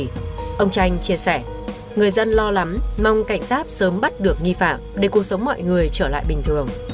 ông nguyễn tấn tranh chia sẻ người dân lo lắm mong cảnh sát sớm bắt được nghi phạm để cuộc sống mọi người trở lại bình thường